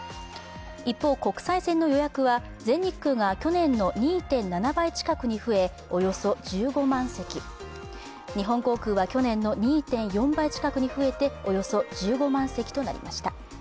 一方、国際線の予約は全日空が去年の２．４倍近くに増えておよそ１５万席日本航空は去年の２．４倍近くに増えて、およそ１５万席となりました。